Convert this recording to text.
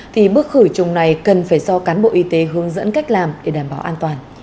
thì bước khử trùng này cần phải do cán bộ y tế hướng dẫn cách làm để đảm bảo an toàn